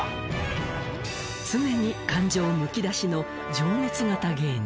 常に感情むき出しの情熱型芸人。